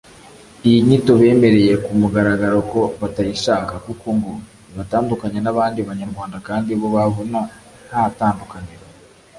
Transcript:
Iyi nyito bemereye ku mugaragaro ko batayishaka kuko ngo ibatandukanya n’abandi Banyarwanda kandi bo babona nta tandukaniro